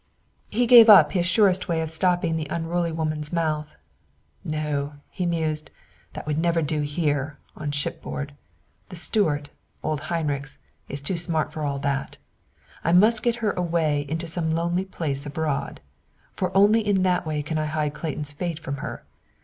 He gave up his surest way of stopping the unruly woman's mouth. "No!" he mused. "That would never do here on shipboard. The steward, old Heinrichs, is too smart for all that. I must get her away into some lonely place abroad. For only in that way can I hide Clayton's fate from her.